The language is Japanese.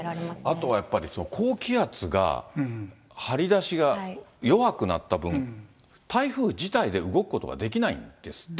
あとはやっぱり高気圧が張り出しが弱くなった分、台風自体で動くことができないんですって。